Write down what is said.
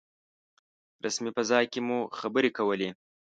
رسمي فضا کې مو خبرې کولې.